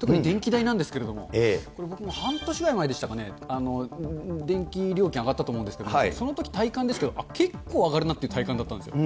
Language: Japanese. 特に電気代なんですけれども、これ、僕も半年ぐらい前でしたかね、電気料金上がったと思うんですけど、そのとき体感ですけど、結構上がるなっていう体感だったんですよ。